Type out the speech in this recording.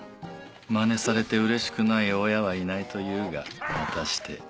マネされてうれしくない親はいないというが果たして。